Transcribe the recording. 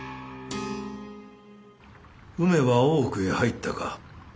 梅は大奥へ入ったか。